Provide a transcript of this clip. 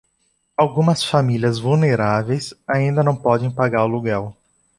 Algumas famílias vulneráveis ainda não podem pagar o aluguel